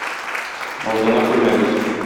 Алдана күрмәгез!